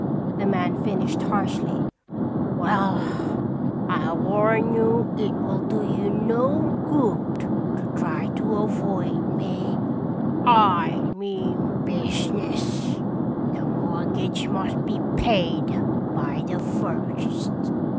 the man finished harshly. "Well, I warn you it will do you no good to try to avoid me. I mean business. The mortgage must be paid by the first."